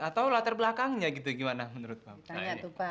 atau latar belakangnya gitu gimana menurut bapak